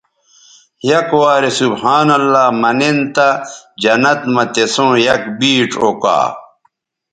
یک وارے سبحان اللہ منن تہ جنت مہ تسوں یک بیڇ اوکا